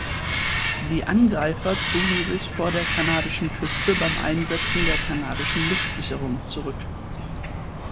Die Angreifer zogen sich vor der kanadischen Küste beim Einsetzen der kanadische Luftsicherung zurück.